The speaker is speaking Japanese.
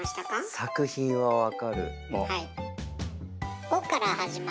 作品は分かる。